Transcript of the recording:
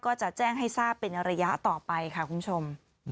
ก็จะแจ้งให้ทราบเป็นระยะต่อไปค่ะคุณผู้ชม